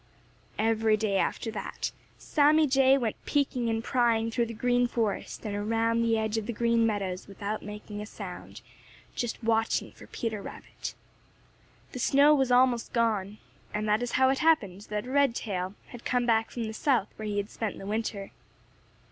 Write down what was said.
Every day after that, Sammy Jay went peeking and prying through the Green Forest and around the edge of the Green Meadows without making a sound, just watching for Peter Rabbit. The snow was almost all gone, and that is how it happened that Redtail had come back from the South where he had spent the winter.